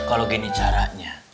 kalau gini caranya